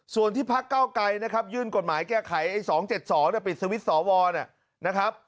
ส่วนที่พักเก้าไกรนะครับยื่นกฎหมายแก้ไขไอ้๒๗๒ปิดสวิตช์สวนะครับ